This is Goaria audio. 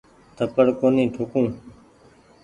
ٿپڙ ڪونيٚ ٺوڪون ۔